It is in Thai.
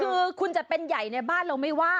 คือคุณจะเป็นใหญ่ในบ้านเราไม่ว่า